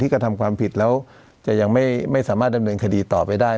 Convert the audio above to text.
กระทำความผิดแล้วจะยังไม่สามารถดำเนินคดีต่อไปได้